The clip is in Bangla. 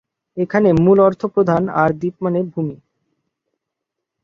এখানে মূল অর্থ প্রধান আর দ্বীপ মানে ভূমি।